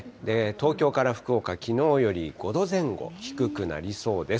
東京から福岡、きのうより５度前後低くなりそうです。